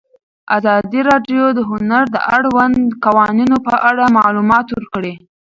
ازادي راډیو د هنر د اړونده قوانینو په اړه معلومات ورکړي.